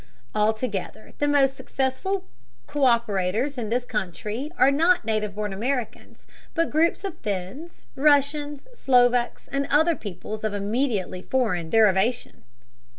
Altogether, the most successful co÷perators in this country are not native born Americans, but groups of Finns, Russians, Slovaks, and other peoples of immediately foreign derivation.